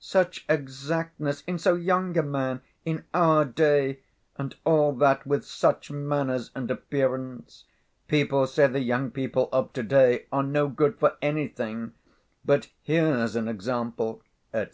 such exactness! in so young a man! in our day! and all that with such manners and appearance! People say the young people of to‐day are no good for anything, but here's an example!" etc.